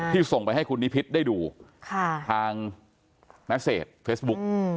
ที่ส่งไปให้คุณนิพิษได้ดูค่ะทางเมสเสจเฟซบุ๊ก